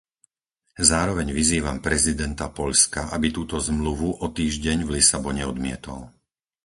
Zároveň vyzývam prezidenta Poľska, aby túto Zmluvu o týždeň v Lisabone odmietol.